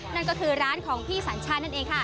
นั่นก็คือร้านของพี่สัญชาตินั่นเองค่ะ